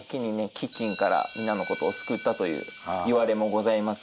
飢きんから皆のことを救ったといういわれもございますし。